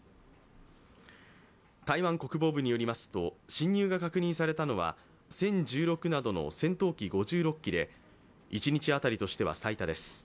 台湾国防部によりますと侵入が確認されたのは殲１６などの戦闘機５６機で一日当たりとしては最多です。